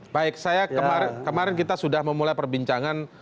baik saya kemarin kita sudah memulai perbincangan